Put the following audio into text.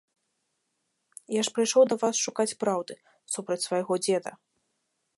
Я ж прыйшоў да вас шукаць праўды супраць свайго дзеда.